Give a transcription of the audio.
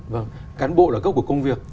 vâng cán bộ là gốc của công việc